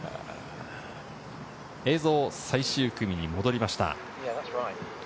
映像は最終組に戻りました。